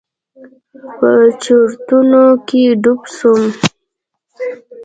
په چورتونو کښې ډوب سوم.